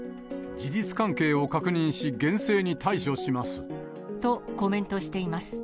事実関係を確認し、厳正に対処します。と、コメントしています。